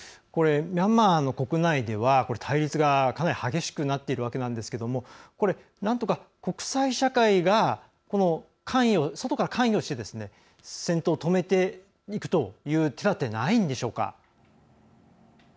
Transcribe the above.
ミャンマーの国内では対立が、かなり激しくなっているわけなんですがこれ、なんとか国際社会が外から関与して戦闘を止めていくという手だてはないんでしょうか？